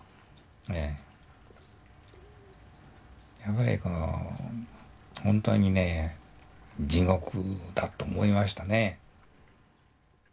やはりこの本当にね地獄だと思いましたね。